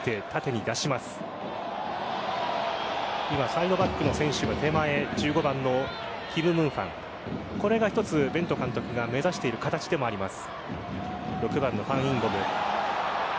今、サイドバックの選手が手前１５番のキム・ムンファンこれが一つベント監督が目指している形でもあります。